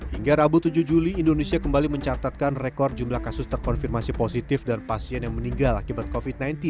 hingga rabu tujuh juli indonesia kembali mencatatkan rekor jumlah kasus terkonfirmasi positif dan pasien yang meninggal akibat covid sembilan belas